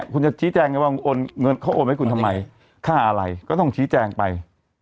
คุณจะชี้แจงว่าเขาโอนไว้คุณทำไมค่าอะไรก็ต้องชี้แจงไป